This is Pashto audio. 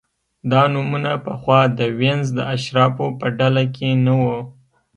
دا نومونه پخوا د وینز د اشرافو په ډله کې نه وو